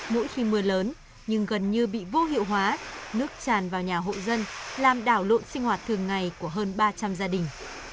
mỗi khi mưa lớn nhưng gần như bị vô hiệu hóa nước tràn vào nhà hộ dân làm đảo lộn sinh hoạt thường ngày của hơn ba trăm linh gia đình